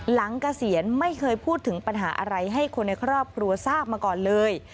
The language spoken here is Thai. เกษียณไม่เคยพูดถึงปัญหาอะไรให้คนในครอบครัวทราบมาก่อนเลย